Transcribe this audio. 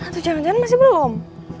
tujuan tujuan masih belum